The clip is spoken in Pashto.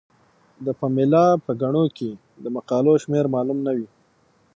د پملا په ګڼو کې د مقالو شمیر معلوم نه وي.